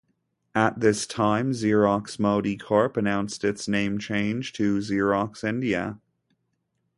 At this time Xerox ModiCorp announced its name change to Xerox India.